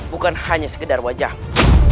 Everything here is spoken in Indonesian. bukan hanya sekedar wajahmu